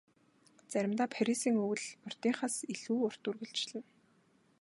Заримдаа Парисын өвөл урьдынхаас илүү урт үргэлжилнэ.